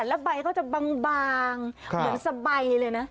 แล้วใบเขาจะบางเหมือนสบายเลยนะ